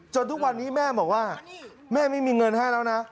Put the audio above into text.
ทุกวันนี้แม่บอกว่าแม่ไม่มีเงินให้แล้วนะ